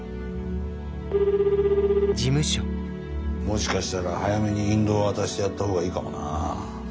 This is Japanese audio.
もしかしたら早めに引導渡してやった方がいいかもな。